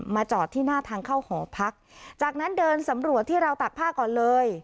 จอดที่หน้าทางเข้าหอพักจากนั้นเดินสำรวจที่ราวตากผ้าก่อนเลย